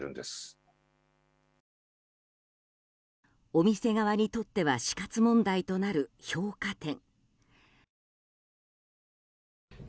お店側にとっては死活問題となる評価点。